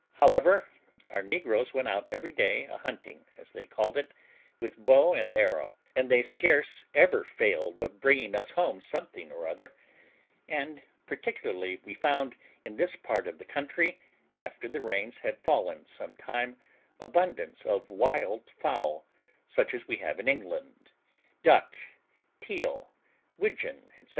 However, our negroes went out every day a hunting, as they called it, with bow and arrow, and they scarce ever failed of bringing us home something or other; and particularly we found in this part of the country, after the rains had fallen some time, abundance of wild fowl, such as we have in England, duck, teal, widgeon, etc.